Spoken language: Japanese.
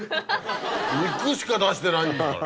肉しか出してないんだから。